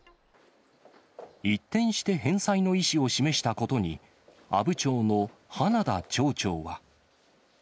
一転して返済の意思を示したことに、阿武町の花田町長は。